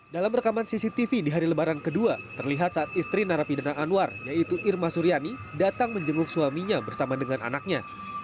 dalam rekaman cctv di hari lebaran kedua terlihat saat istri narapidana anwar yaitu irma suryani datang menjenguk suaminya bersama dengan anaknya